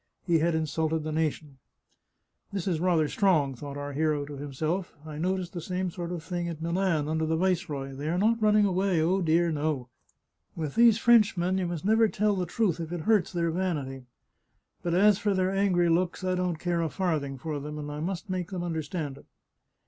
He had insulted the nation !" This is rather strong," thought our hero to himself. " I noticed the same sort of thing at Milan under the viceroy. They are not running away — oh, dear, no ! With these Frenchmen you must never tell the truth if it hurts 58 The Chartreuse of Parma their vanity. But as for their angry looks, I don't care a farthing for them, and I must make them understand it."